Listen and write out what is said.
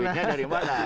duitnya dari mana